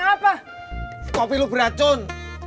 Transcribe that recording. eh kamu mau beracun